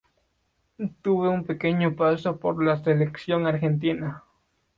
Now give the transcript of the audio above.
Tuvo un pequeño paso por la selección argentina.